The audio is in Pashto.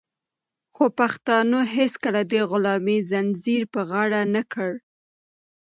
خو پښتنو هيڅکله د غلامۍ زنځير په غاړه نه کړ.